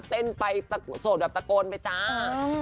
เต้นไปโสดแบบตะโกนไปจ้า